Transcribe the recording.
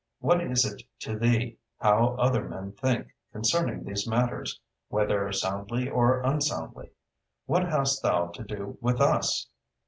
What is it to thee how other men think concerning these matters, whether soundly or unsoundly? What hast thou to do with us?